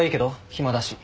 暇だし。